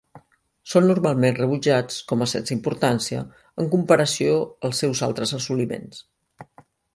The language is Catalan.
Són normalment rebutjats com a sense importància en comparació als seus altres assoliments.